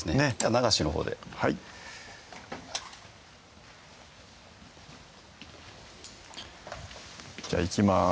流しのほうではいじゃあいきます